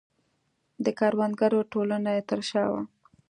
د کروندګرو ټولنه یې تر شا وه.